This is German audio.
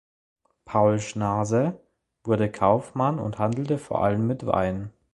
Paul Schnaase wurde Kaufmann und handelte vor allem mit Wein.